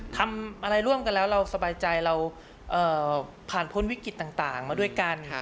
ทำอะไรร่วมกันแล้วเราสบายใจเราผ่านพ้นวิกฤตต่างมาด้วยกันค่ะ